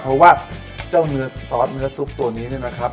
เพราะว่าเจ้าเนื้อซอสเนื้อซุปตัวนี้เนี่ยนะครับ